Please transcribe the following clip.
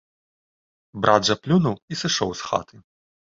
Брат жа плюнуў і сышоў з хаты.